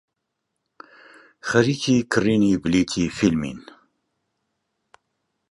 خەریکی کڕینی بلیتی فیلمین.